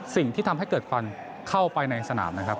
สิ่งที่ทำให้เกิดควันเข้าไปในสนามนะครับ